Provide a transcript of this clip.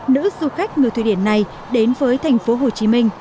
nữ du khách người thuỷ điển này đến với tp hcm